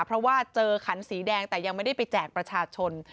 เพราะว่าเจอขันสีแดงแต่ยังไม่ได้ไปแจกประชาชน